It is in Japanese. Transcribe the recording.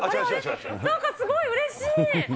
なんかすごいうれしい。